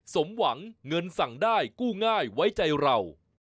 สมหวังเงินสั่งได้กู้ง่ายไว้ใจเรา